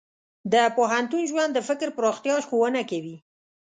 د پوهنتون ژوند د فکر پراختیا ښوونه کوي.